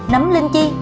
nấm linh chi